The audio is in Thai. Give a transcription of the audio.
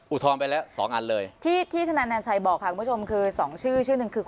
อุทธรณ์ไปแล้วสองอันเลยที่ทนานนาชัยบอกค่ะคุณผู้ชมคือ